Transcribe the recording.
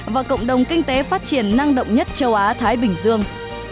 và cộng đồng kinh tế phát triển năng động nhất châu á thái bình dương